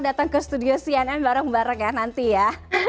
datang ke studio cnn bareng bareng ya nanti ya